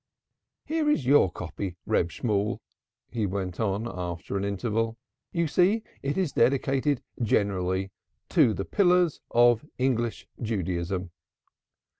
"Here is your copy, Reb Shemuel," he went on after an interval. "You see it is dedicated generally: "'To the Pillars of English Judaism.'